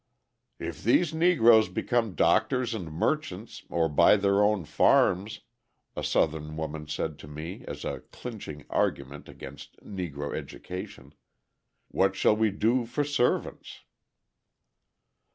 "If these Negroes become doctors and merchants or buy their own farms," a Southern woman said to me as a clinching argument against Negro education, "what shall we do for servants?"